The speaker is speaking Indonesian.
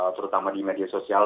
terutama di media sosial